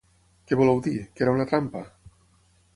Què voleu dir, que era una trampa?